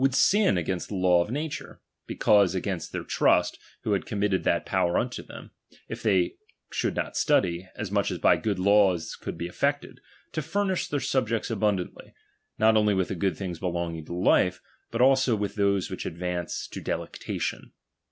would sin against the law of nature, (because against their trust, who had committed that power unto them), if they should not study, as much as by good laws could he effected, to furnish their subjects abundantly, not only with the good things belonging to life, hut also with those which ad vance to delectation.